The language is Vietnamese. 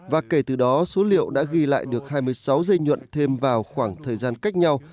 và kể từ đó số liệu đã ghi lại được hai mươi sáu dây nhuộm thêm vào khoảng thời gian cách nhau